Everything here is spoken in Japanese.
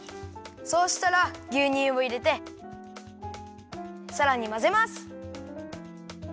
そうしたらぎゅうにゅうをいれてさらにまぜます。